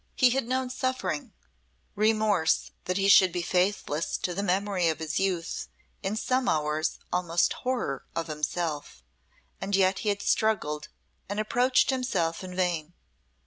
He had known suffering remorse that he should be faithless to the memory of his youth, in some hours almost horror of himself, and yet had struggled and approached himself in vain.